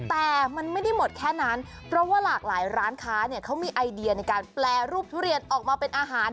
แต่มันไม่ได้หมดแค่นั้นเพราะว่าหลากหลายร้านค้าเนี่ยเขามีไอเดียในการแปรรูปทุเรียนออกมาเป็นอาหาร